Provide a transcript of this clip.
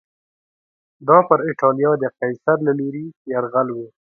دا پر اېټالیا د قیصر له لوري یرغل و